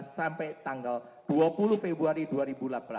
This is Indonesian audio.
sampai tanggal dua puluh februari dua ribu delapan belas